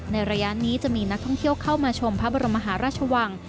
ระยะนี้จะมีนักท่องเที่ยวเข้ามาชมพระบรมหาราชวัง